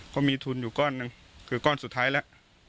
ก็มีทุนอยู่ก้อนหนึ่งคือก้อนสุดท้ายแล้ว